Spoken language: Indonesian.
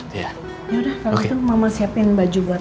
yaudah kalo gitu mama siapin baju buat